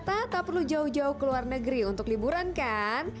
kita tak perlu jauh jauh ke luar negeri untuk liburan kan